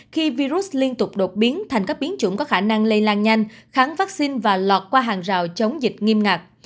khi virus liên tục đột biến thành các biến chủng có khả năng lây lan nhanh kháng vaccine và lọt qua hàng rào chống dịch nghiêm ngặt